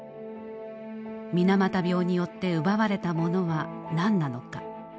水俣病によって奪われたものは何なのか。